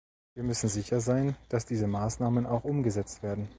Wir müssen sicher sein, dass diese Maßnahmen auch umgesetzt werden.